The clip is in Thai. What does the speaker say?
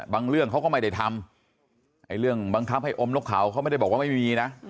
เรื่องเขาก็ไม่ได้ทำไอ้เรื่องบังคับให้อมนกเขาเขาไม่ได้บอกว่าไม่มีนะ